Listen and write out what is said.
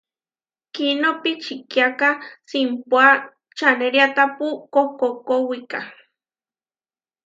Kiʼnó pičikiáka simpuá čaneriátapu kohkókowika.